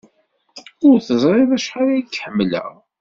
Ur teẓriḍ acḥal ay k-ḥemmleɣ.